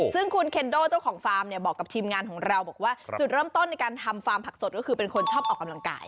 ซึ่งคุณเคนโดเจ้าของฟาร์มเนี่ยบอกกับทีมงานของเราบอกว่าจุดเริ่มต้นในการทำฟาร์มผักสดก็คือเป็นคนชอบออกกำลังกาย